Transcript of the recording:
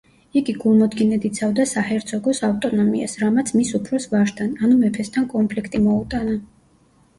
იგი გულმოდგინედ იცავდა საჰერცოგოს ავტონომიას, რამაც მის უფროს ვაჟთან, ანუ მეფესთან კონფლიქტი მოუტანა.